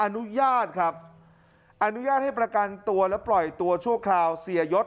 อนุญาตครับอนุญาตให้ประกันตัวและปล่อยตัวชั่วคราวเสียยศ